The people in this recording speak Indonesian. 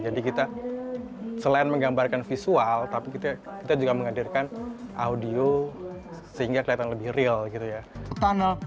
jadi kita selain menggambarkan visual tapi kita juga menghadirkan audio sehingga kelihatan lebih real gitu ya